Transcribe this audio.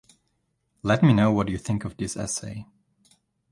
Let me know what you think of this essay.